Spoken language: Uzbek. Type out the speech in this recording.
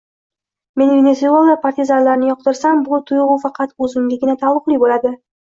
Men Venesuela partizanlarini yoqtirsam bu tuyg‘u faqat o‘zimgagina taalluqli bo‘ladi